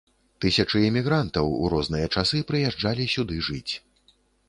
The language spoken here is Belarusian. Тысячы эмігрантаў у розныя часы прыязджалі сюды жыць.